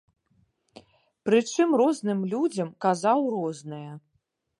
Прычым розным людзям казаў рознае.